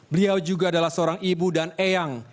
beliau juga adalah seorang ibu dan eyang